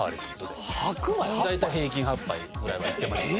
大体平均８杯ぐらいはいってましたね。